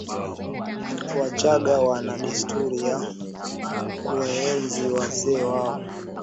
wachagga wana desturi ya kuwaenzi wazee wao